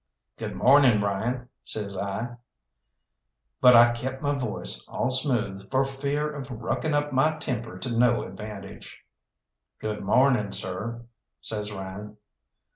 "Good morning, Ryan," says I, but I kept my voice all smooth for fear of rucking up my temper to no advantage. "Good morning, sir," says Ryan.